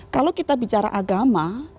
kalau kita bicara agama